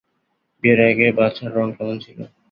বিয়ের আগে বাছার রং কেমন ছিল!